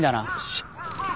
シッ！